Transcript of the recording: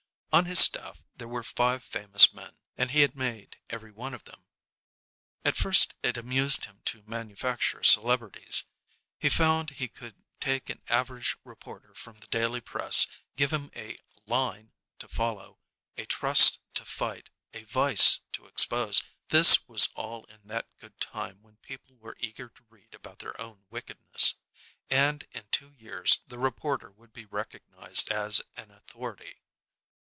On his staff there were five famous men, and he had made every one of them. At first it amused him to manufacture celebrities. He found he could take an average reporter from the daily press, give him a "line" to follow, a trust to fight, a vice to expose, this was all in that good time when people were eager to read about their own wickedness, and in two years the reporter would be recognized as an authority.